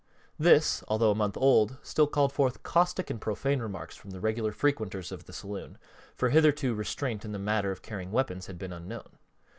This, although a month old, still called forth caustic and profane remarks from the regular frequenters of the saloon, for hitherto restraint in the matter of carrying weapons had been unknown.